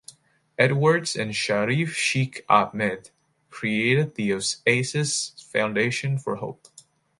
Edwards and Sharif Sheikh Ahmed created the Oasis Foundation for Hope.